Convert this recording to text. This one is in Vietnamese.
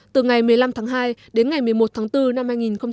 từ ngày một mươi năm tháng hai đến ngày một mươi một tháng bốn năm hai nghìn hai mươi